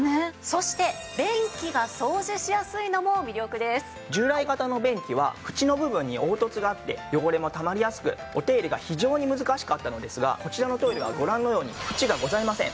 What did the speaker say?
そして従来型の便器はフチの部分に凹凸があって汚れもたまりやすくお手入れが非常に難しかったのですがこちらのトイレはご覧のようにフチがございません。